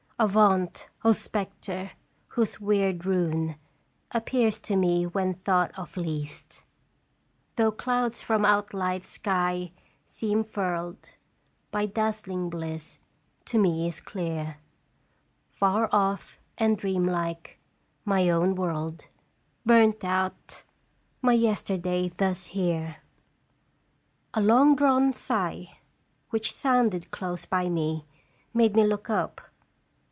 Avaunt, O Spectre whose weird rune Appears to me when thought of least ! Though clouds from out life's sky seem furled By dazzling bliss, to me is clear Far off and dreamlike my own world Burnt out, my yesterday thus here ! A long drawn sigh, which sounded close by me, made me look up.